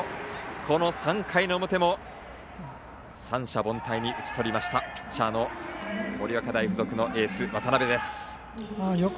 この３回の表も三者凡退に打ち取りましたピッチャーの盛岡大付属のエース渡邊です。